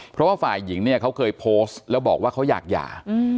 เพราะว่าฝ่ายหญิงเนี่ยเขาเคยโพสต์แล้วบอกว่าเขาอยากหย่า